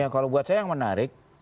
kalau buat saya yang menarik